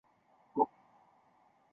郑国有名臣祭仲。